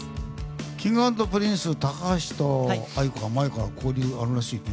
Ｋｉｎｇ＆Ｐｒｉｎｃｅ高橋とａｉｋｏは前から交流があるらしいね。